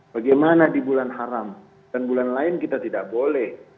bagaimana di bulan haram dan bulan lain kita tidak boleh